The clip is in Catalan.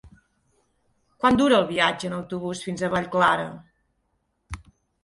Quant dura el viatge en autobús fins a Vallclara?